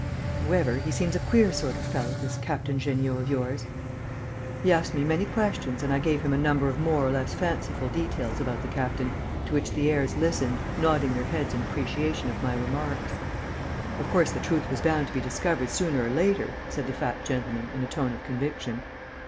However, he seems a queer sort of fellow, this Captain Jeanniot of yours...." He asked me many questions and I gave him a number of more or less fanciful details about the captain, to which the heirs listened, nodding their heads in appreciation of my remarks. "Of course, the truth was bound to be discovered sooner or later," said the fat gentleman, in a tone of conviction.